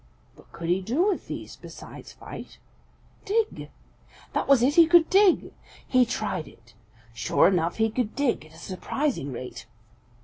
What could he do with these besides fight? Dig! That was it; he could dig. He tried it. Sure enough, he could dig at a surprising rate.